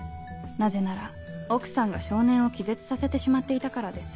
なぜなら奥さんが少年を気絶させてしまっていたからです。